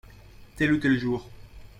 Tel ou tel jour.